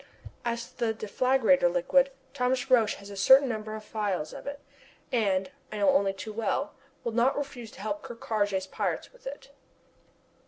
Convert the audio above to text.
As to the deflagrator liquid, Thomas Roch has a certain number of phials of it, and I know only too well will not refuse to help Ker Karraje's pirates with it.